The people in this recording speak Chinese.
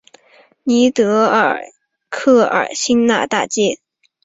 尼德尔克尔新纳大街是德国首都柏林的一条街道。